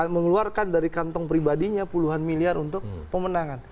mengeluarkan dari kantong pribadinya puluhan miliar untuk pemenangan